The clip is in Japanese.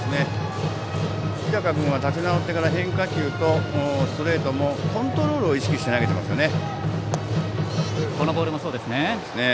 日高君は立ち直ってから変化球もストレートもコントロールを意識して投げてますね。